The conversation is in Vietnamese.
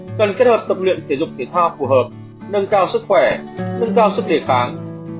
bên cạnh đó cần kết hợp tập luyện thể dục thể thao phù hợp nâng cao sức khỏe nâng cao sức đề kháng